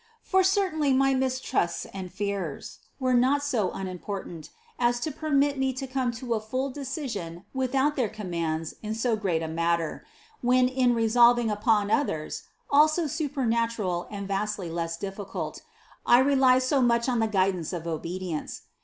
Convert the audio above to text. For cer tainly my mistrusts and fears were not so unimportant as to permit me to come to a full decision without their commands in so great a matter, when in resolving upon others, also supernatural and vastly less difficult, I rely so much on the guidance of obedience.